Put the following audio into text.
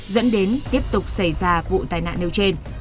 dẫn đến tiếp tục xảy ra vụ tai nạn nêu trên